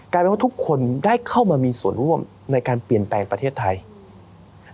กลายเป็นว่าทุกคนได้เข้ามามีส่วนร่วมในการเปลี่ยนแปลงประเทศไทย